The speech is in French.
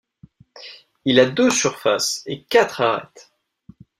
Il a deux surfaces et quatre arêtes.